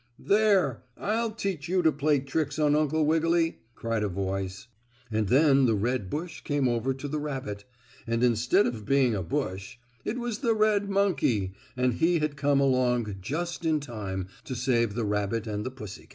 "There! I'll teach you to play tricks on Uncle Wiggily," cried a voice, and then the red bush came over to the rabbit, and instead of being a bush it was the red monkey, and he had come along just in time to save the rabbit and the pussy.